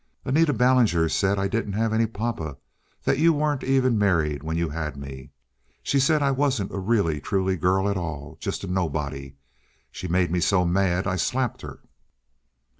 "Anita Ballinger said I didn't have any papa, and that you weren't ever married when you had me. She said I wasn't a really, truly girl at all—just a nobody. She made me so mad I slapped her."